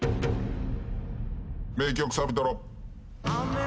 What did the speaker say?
名曲サビトロ。